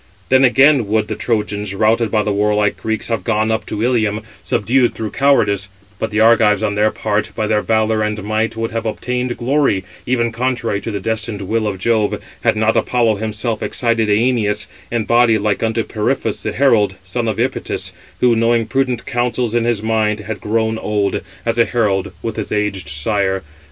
Then again would the Trojans, [routed] by the warlike Greeks, have gone up to Ilium, subdued through cowardice; but the Argives on their part, by their valour and might, would have obtained glory, even contrary to the destined will of Jove, had not Apollo himself excited Æneas, in body like unto Periphas the herald, son of Epytis, who knowing prudent counsels in his mind, had grown old, as a herald, with his aged sire.